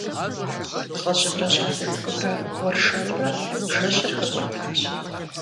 ЛӀыжьымрэ щӀалэ цӀыкӀумрэ уэршэрурэ жэщыр хэкӀуэтащ.